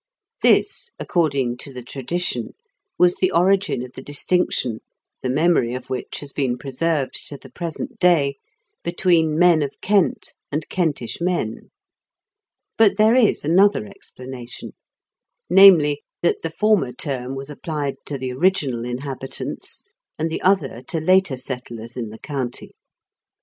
This, according to the tradition, was the origin of the distinction, the memory of which has been preserved to the present day, between "men of Kent" and "Kentish men ;" but there is another explanation, namely, that the former term was applied to the original inhabitants, and the other to later settlers in the county.